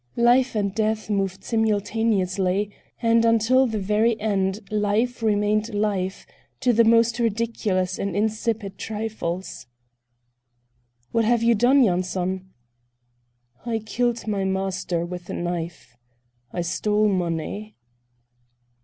Life and Death moved simultaneously, and until the very end Life remained life, to the most ridiculous and insipid trifles. "What have you done, Yanson?" "I killed my master with a knife. I stole money."